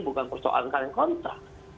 bukan persoalan karyawannya kontrak